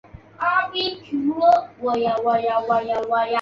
罗伯特像机。